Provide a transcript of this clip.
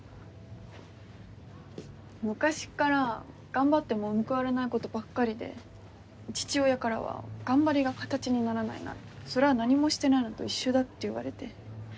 昔から頑張っても報われないことばっかりで父親からは「頑張りが形にならないならそれは何もしてないのと一緒だ」って言われて。